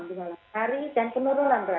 kemudian penurunan berat badan